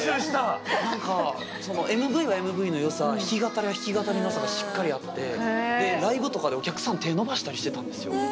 ＭＶはＭＶの良さ弾き語りは弾き語りの良さがしっかりあってでライブとかでお客さん手伸ばしたりしてたんですよ。